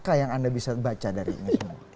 apa yang paling jernaka yang bisa anda baca dari ini semua